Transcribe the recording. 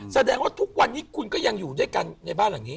แสดงว่าทุกวันนี้คุณก็ยังอยู่ด้วยกันในบ้านหลังนี้